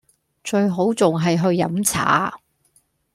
最好仲係去飲茶